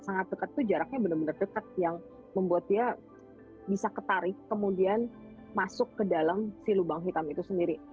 sangat dekat itu jaraknya benar benar dekat yang membuat dia bisa ketarik kemudian masuk ke dalam si lubang hitam itu sendiri